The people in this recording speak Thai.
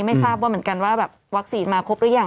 ไม่ทราบว่าเหมือนกันว่าแบบวัคซีนมาครบหรือยัง